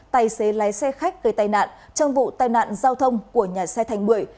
tài xế lái xe khách gây tai nạn trong vụ tai nạn giao thông của nhà xe thành bưởi